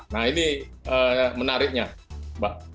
nah ini menariknya mbak